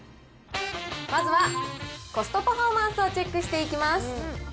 まずはコストパフォーマンスをチェックしていきます。